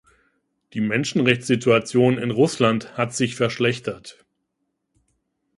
Die Menschenrechtssituation in Russland hat sich verschlechtert.